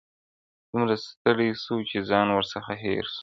دومره ستړی سو چي ځان ورڅخه هېر سو -